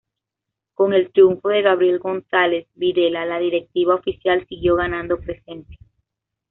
Con el triunfo de Gabriel González Videla la directiva oficial siguió ganando presencia.